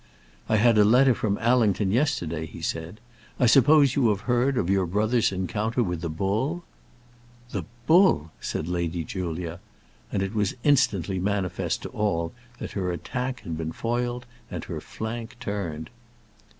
"I had a letter from Allington yesterday," he said. "I suppose you have heard of your brother's encounter with the bull?" "The bull!" said Lady Julia. And it was instantly manifest to all that her attack had been foiled and her flank turned.